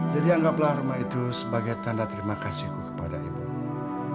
jadi anggaplah rumah itu sebagai tanda terima kasihku kepada ibumu